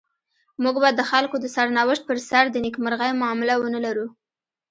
موږ به د خلکو د سرنوشت پر سر د نيکمرغۍ معامله ونلرو.